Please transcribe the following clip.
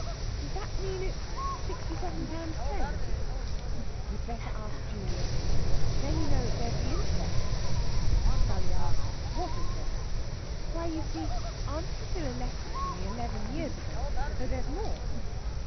"Does that mean it's sixty seven pounds ten?" "You'd better ask Julius. Then, you know, there's the interest." Sally asked what interest. "Why, you see, Aunt Priscilla left it to me eleven years ago, so there's more."